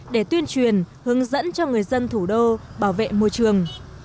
để tuyên truyền hướng dẫn cho người dân thủ đô bảo vệ môi trường